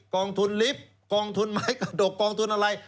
กองทุนลิฟต์กองทุนไม้กระดกกองทุนอะไร